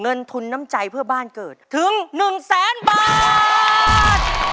เงินทุนน้ำใจเพื่อบ้านเกิดถึง๑แสนบาท